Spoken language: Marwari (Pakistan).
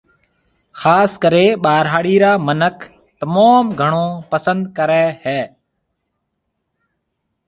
خاص ڪريَ ٻاهراڙِي را منک تموم گھڻون پسند ڪريَ هيَ